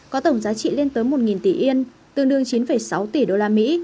có tổng giá trị lên tới một tỷ yên tương đương chín sáu tỷ đô la mỹ